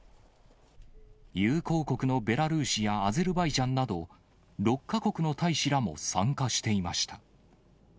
友好国のベラルーシやアゼルバイジャンなど、６か国の大使らも参加していました。